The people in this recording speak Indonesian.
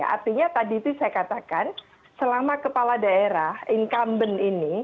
artinya tadi itu saya katakan selama kepala daerah incumbent ini